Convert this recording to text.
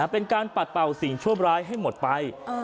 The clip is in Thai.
เป็นการปัดเป่าสิ่งชั่วร้ายให้หมดไป